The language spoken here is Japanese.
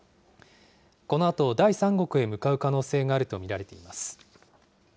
このあと、第三国へ向かう可能性があると見られています。